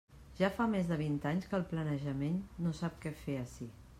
Ja fa més de vint anys que el planejament no sap què fer ací.